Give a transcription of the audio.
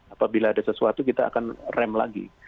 apabila ada sesuatu kita akan rem lagi